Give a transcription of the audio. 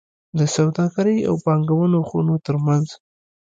د سوداګرۍ او پانګونو خونو ترمنځ